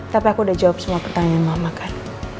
tapi aku udah jawab semua pertanyaan mama kan